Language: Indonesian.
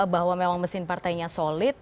bahwa memang mesin partainya solid